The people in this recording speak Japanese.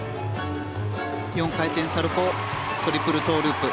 ４回転サルコウトリプルトウループ。